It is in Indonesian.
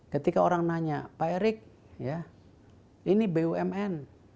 ketika orang nanya pak erik ini bumn